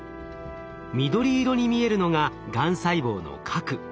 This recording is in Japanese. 緑色に見えるのががん細胞の核。